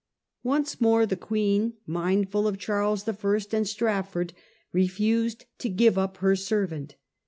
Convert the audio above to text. Once more the Queen, mindful of Charles I. and Strafford, refused to give up her servant.